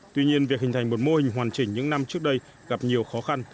tuy nhiên việc hình thành một mô hình hoàn chỉnh những năm trước đây gặp nhiều khó khăn